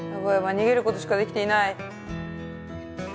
逃げることしかできていない。